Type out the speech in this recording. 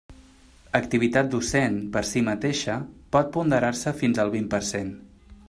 Activitat docent, per si mateixa, pot ponderar-se fins al vint per cent.